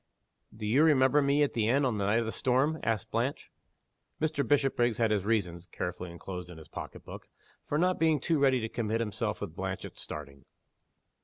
"Do you remember me at the inn on the night of the storm?" asked Blanche. Mr. Bishopriggs had his reasons (carefully inclosed in his pocketbook) for not being too ready to commit himself with Blanche at starting.